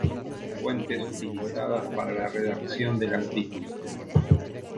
Fuentes utilizadas para la redacción del artículo